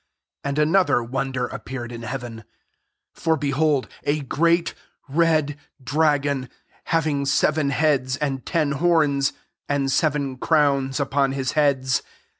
3 And another won der appeared in heaven ; for, behold, a great red dragon, hav ing seven heads and ten horns, «nd seven crowns upon his heads.